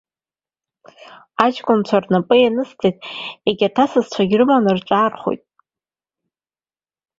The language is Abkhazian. Аҷкәынцәа рнапы ианысҵеит, егьырҭ асасцәагьы рыманы рҿаархоит.